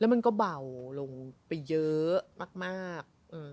มันก็เบาลงไปเยอะมาก